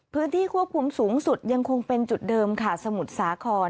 พื้นที่ควบคุมสูงสุดยังคงเป็นจุดเดิมค่ะสมุทรสาคร